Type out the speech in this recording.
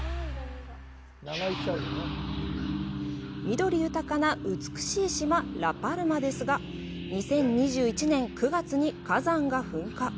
緑豊かな美しい島、ラ・パルマですが２０２１年９月に火山が噴火。